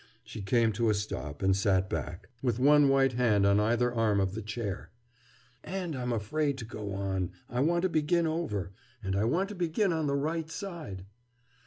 She came to a stop, and sat back, with one white hand on either arm of the chair. "And I'm afraid to go on. I want to begin over. And I want to begin on the right side!"